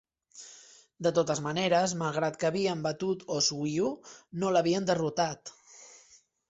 De totes maneres, malgrat que havien batut Oswiu, no l'havien derrotat.